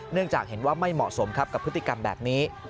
จากเห็นว่าไม่เหมาะสมครับกับพฤติกรรมแบบนี้